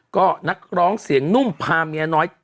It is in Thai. ก็นักร้องเสียงนุ่มพาเมียน้อย